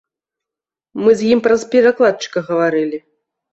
Мы з ім праз перакладчыка гаварылі.